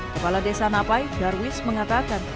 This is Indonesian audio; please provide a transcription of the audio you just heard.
kepala desa napai darwis mengatakan